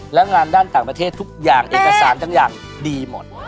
แล้วงานด้านต่างประเทศทุกอย่างเอกสารทุกอย่างดีหมด